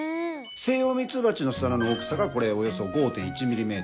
セイヨウミツバチの巣穴の大きさがおよそ５．１ｍｍ。